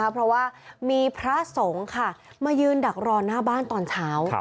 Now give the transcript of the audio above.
เพราะว่ามีพระสงฆ์ค่ะมายืนดักรอหน้าบ้านตอนเช้า